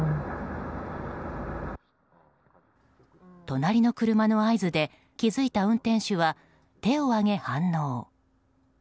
隣の車の合図で気づいた運転手は手を上げ、反応。